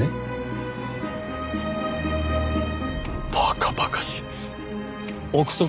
馬鹿馬鹿しい。